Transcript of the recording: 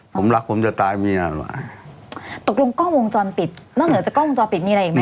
ผมรักผมจะตายเมียเหรอตกลงกล้องวงจรปิดนอกเหนือจากกล้องวงจรปิดมีอะไรอีกไหม